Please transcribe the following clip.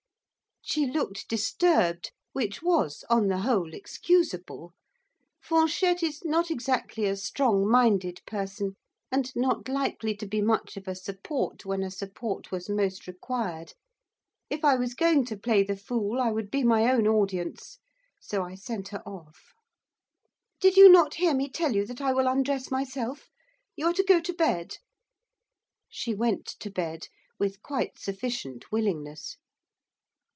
She looked disturbed, which was, on the whole, excusable. Fanchette is not exactly a strong minded person, and not likely to be much of a support when a support was most required. If I was going to play the fool, I would be my own audience. So I sent her off. 'Did you not hear me tell you that I will undress myself? you are to go to bed.' She went to bed, with quite sufficient willingness.